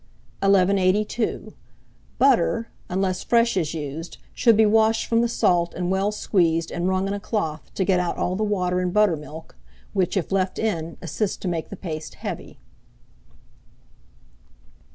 1182. Butter, unless fresh is used, should be washed from the salt, and well squeezed and wrung in a cloth, to get out all the water and buttermilk, which, if left in, assists to make the paste heavy.